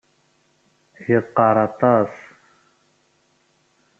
Yeqqaṛ aṭas.